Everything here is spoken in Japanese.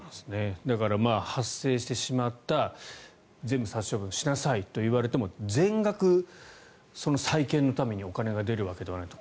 だから、発生してしまった全部殺処分しなさいと言われても全額、再建のためにお金が出るわけではないと。